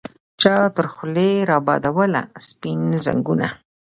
چا تر خولې را بادوله سپین ځګونه